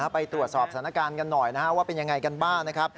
ไปตรวจสอบสถานการณ์กันหน่อยว่าเป็นอย่างไรกันบ้าง